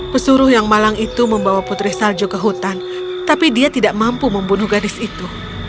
pesuruh yang malang itu membawa putri salju ke hutan tapi dia tidak mampu membunuh gadis itu